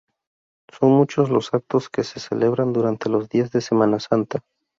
Son muchos los actos que se celebran durante los días de Semana Santa.